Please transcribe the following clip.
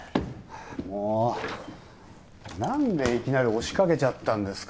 はぁもう何でいきなり押しかけちゃったんですか？